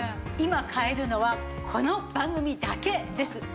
今買えるのはこの番組だけです。